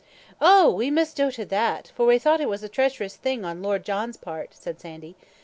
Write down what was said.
"Oh! we misdooted that; for we thocht it was a treacherous thing on Lord John's part," said Sandy.